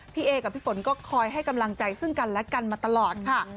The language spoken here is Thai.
พี่เอกับพี่ฝนก็คอยให้กำลังใจซึ่งกันและกันมาตลอดค่ะ